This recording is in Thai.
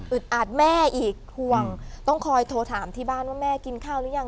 อาจแม่อีกห่วงต้องคอยโทรถามที่บ้านว่าแม่กินข้าวหรือยัง